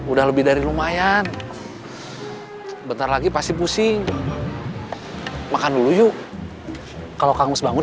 udah lebih dari lumayan bentar lagi pasti pusing makan dulu yuk kalau kamus bangun